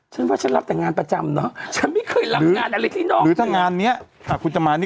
คุณก็ต้องเข้าใจอะไรนะอะไรนะ